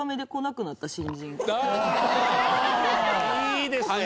いいですね。